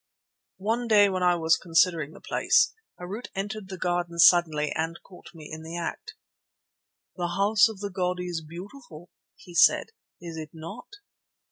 One day when I was considering the place, Harût entered the garden suddenly and caught me in the act. "The House of the god is beautiful," he said, "is it not?"